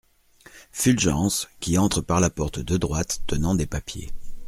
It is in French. Fulgence, qui entre par la porte de droite, tenant des papiers.